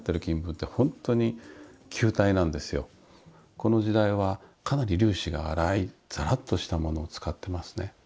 この時代はかなり粒子が粗いざらっとしたものを使ってますね。